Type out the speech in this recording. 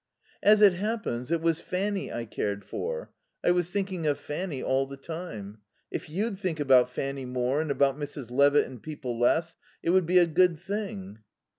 "As it happens, it was Fanny I cared for. I was thinking of Fanny all the time.... If you'd think about Fanny more and about Mrs. Levitt and people less, it would be a good thing."